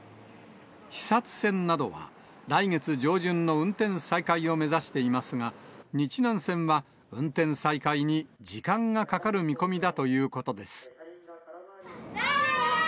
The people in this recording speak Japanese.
肥薩線などは、来月上旬の運転再開を目指していますが、日南線は、運転再開に時間がかかる見込みだということです。